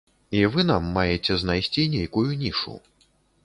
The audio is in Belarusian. І вы нам маеце знайсці нейкую нішу.